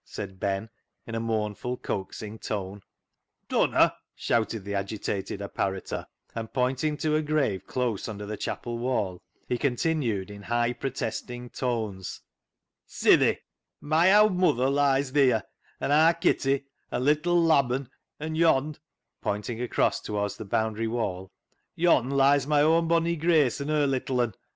" said Ben, in a mournful, coaxing tone. " Dunna !" shouted the agitated apparitor, and, pointing to a grave close under the chapel wall, he continued in high, protesting tones —" Sithee, my owd mother lies theer, an' aar Kitty, an' little Laban, an' yond' "— pointing across towards the boundary wall —" yond' lies my own bonny Grace an' her little un.